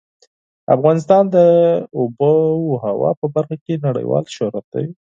افغانستان د آب وهوا په برخه کې نړیوال شهرت لري.